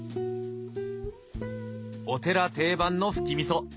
お寺定番のフキ味噌。